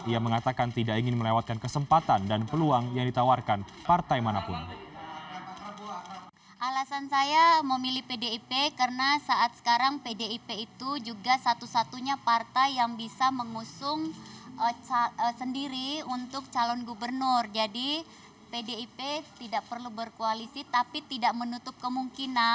ia mengatakan tidak ingin melewatkan kesempatan dan peluang yang ditawarkan partai manapun